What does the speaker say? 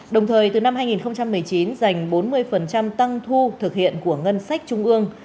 đồng thời từ năm hai nghìn một mươi chín dành bốn mươi tăng thu thực hiện của ngân sách trung ương